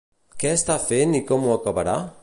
Què està fent i com ho acabarà?